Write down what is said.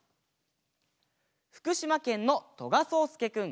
ふくしまけんのとがそうすけくん４さいから。